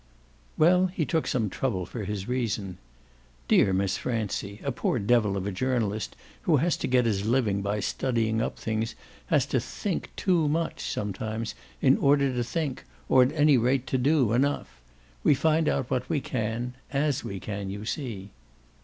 Well, he took some trouble for his reason. "Dear Miss Francie, a poor devil of a journalist who has to get his living by studying up things has to think TOO much, sometimes, in order to think, or at any rate to do, enough. We find out what we can AS we can, you see."